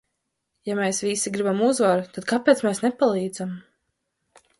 Ja mēs visi gribam uzvaru, tad kāpēc mēs nepalīdzam?